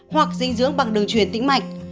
hoặc dinh dưỡng bằng đường truyền tĩnh mạch